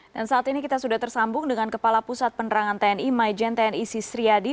dan saat ini kita sudah tersambung dengan kepala pusat penerangan tni mygen tni sisriyadi